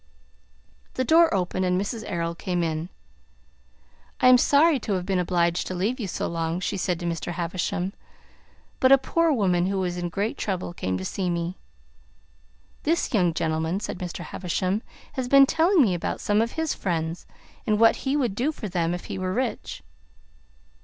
The door opened and Mrs. Errol came in. "I am sorry to have been obliged to leave you so long," she said to Mr. Havisham; "but a poor woman, who is in great trouble, came to see me." "This young gentleman," said Mr. Havisham, "has been telling me about some of his friends, and what he would do for them if he were rich."